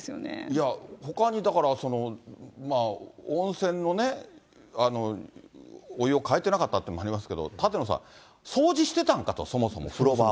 いや、ほかに、だからその、温泉のね、お湯を換えてなかったっていうのもありますけど、舘野さん、掃除してたんかと、そもそも、風呂場を。